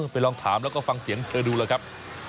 ไปลองถามแล้วก็ฟังเสียงเธอดูแล้วครับ